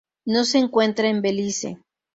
No se encuentra en Belice.